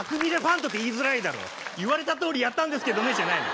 「言われたとおりやったんですけどね」じゃないの。